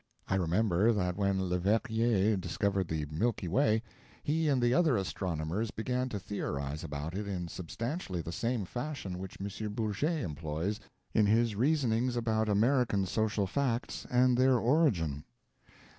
I remember that when Leverrier discovered the Milky Way, he and the other astronomers began to theorize about it in substantially the same fashion which M. Bourget employs in his reasonings about American social facts and their origin.